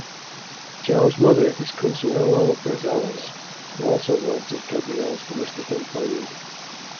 Joao's mother is Consuelo Rosales, who also worked as Gabriel's domestic employee.